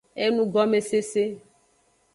Enugomesese.